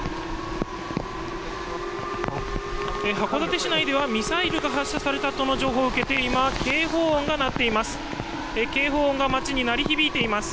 函館市内ではミサイルが発射されたとの情報を受けて今警報音が鳴っています。